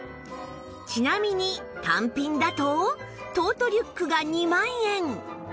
ちなみに単品だとトートリュックが２万円